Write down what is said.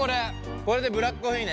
これでブラックコーヒーね。